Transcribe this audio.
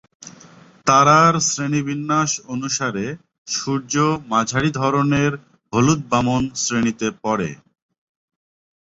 তারার শ্রেণীবিন্যাস অনুসারে সূর্য মাঝারি ধরনের হলুদ বামন শ্রেণীতে পড়ে।